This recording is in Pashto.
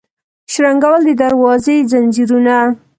شرنګول د دروازو یې ځنځیرونه